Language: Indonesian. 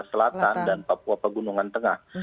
selatan dan papua pegunungan tengah